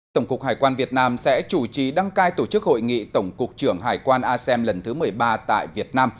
tổng cục hải quan việt nam sẽ chủ trì đăng cai tổ chức hội nghị tổng cục trưởng hải quan asem lần thứ một mươi ba tại việt nam